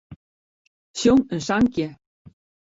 Sjong in sankje.